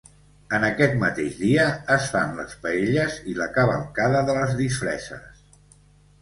En aquest mateix dia es fan les paelles i la cavalcada de les disfresses.